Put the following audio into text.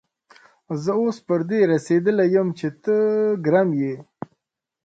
زه اوس پر دې رسېدلی يم چې ته ګرم يې.